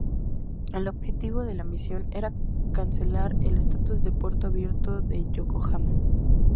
El objetivo de la misión era cancelar el estatus de puerto abierto de Yokohama.